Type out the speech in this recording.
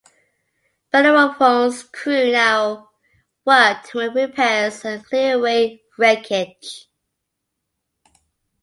"Bellerophon"s crew now worked to make repairs and clear away wreckage.